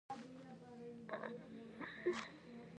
د هغه د استبدادي رژیم اغېزه هرې برخې ته رسېدلې وه.